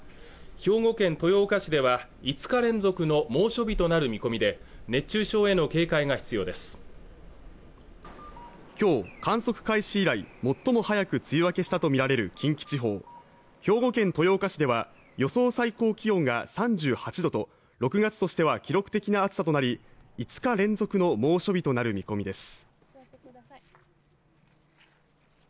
兵庫県豊岡市では５日連続の猛暑日となる見込みで熱中症への警戒が必要です今日観測開始以来最も早く梅雨明けしたと見られる近畿地方兵庫県豊岡市では予想最高気温が３８度と６月としては記録的な暑さとなり５日連続の猛暑日となる見込みです